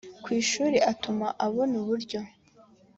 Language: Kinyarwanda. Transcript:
ku ishuri atuma ubona uburyo